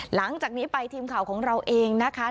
หลังจากนี้ไปทีมข่าวของเราเองนะคะ